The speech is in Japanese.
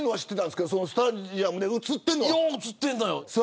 スタジアムで映ってるんですね。